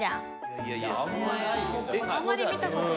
いやいやあんまり見たことない。